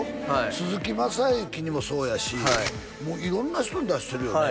鈴木雅之にもそうやしもう色んな人に出してるよね